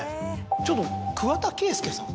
ちょっと桑田佳祐さん。